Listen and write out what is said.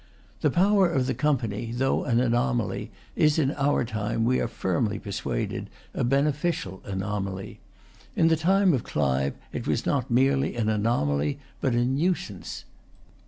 The power of the Company, though an anomaly, is in our time, we are firmly persuaded, a beneficial anomaly. In the time of Clive, it was not merely an anomaly, but a nuisance.